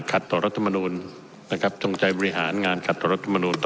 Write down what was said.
ขัดต่อรัฐมนูลนะครับจงใจบริหารงานขัดต่อรัฐมนูล